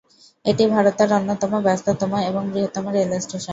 এটি ভারতের অন্যতম ব্যস্ততম এবং বৃহত্তম রেল স্টেশন।